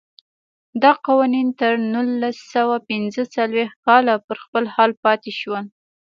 دا قوانین تر نولس سوه پنځه څلوېښت کاله پر خپل حال پاتې شول.